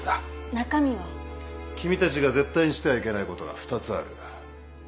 君たちが絶対にしてはいけないことが２つある。